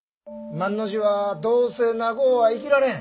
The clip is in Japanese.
万の字はどうせ長うは生きられん。